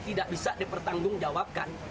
tidak bisa dipertanggungjawabkan